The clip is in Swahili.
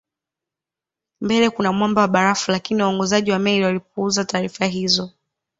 Mbele kuna mwamba wa barafu lakini waongozaji wa meli walipuuza taarifa hizo